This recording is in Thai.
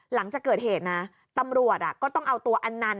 หลังจากเกิดเหตุนะตำรวจก็ต้องเอาตัวอันนันต